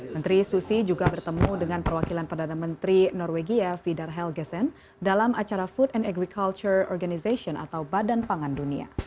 menteri susi juga bertemu dengan perwakilan perdana menteri norwegia fidar helgesen dalam acara food and agriculture organization atau badan pangan dunia